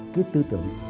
cái tư tưởng